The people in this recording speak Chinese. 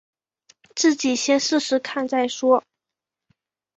自己先试试看再说